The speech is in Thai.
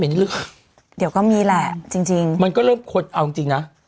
หรือเปล่าเดี๋ยวก็มีแหละจริงจริงมันก็เริ่มคนเอาจริงจริงนะ